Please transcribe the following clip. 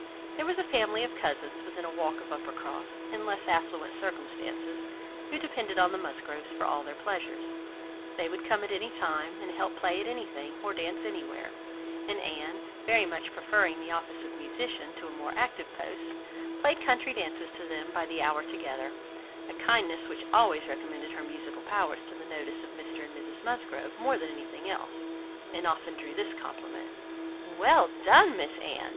There was a family of cousins within a walk of Uppercross, in less affluent circumstances, who depended on the Musgroves for all their pleasures: they would come at any time, and help play at anything, or dance anywhere; and Anne, very much preferring the office of musician to a more active post, played country dances to them by the hour together; a kindness which always recommended her musical powers to the notice of Mr and Mrs Musgrove more than anything else, and often drew this compliment;—"Well done, Miss Anne!